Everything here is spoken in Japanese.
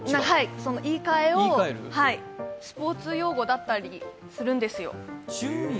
言い換えを、スポーツ用語だったりするんですよ。